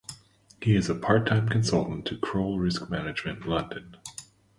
He is a part-time consultant to Kroll Risk Management, London.